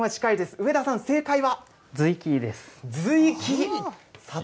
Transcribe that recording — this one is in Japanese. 上田さん、正解は。